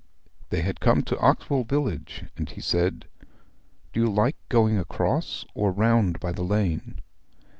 They had come to Oxwell park gate, and he said, 'Do you like going across, or round by the lane?'